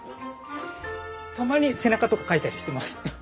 たまに背中とかかいたりしてます。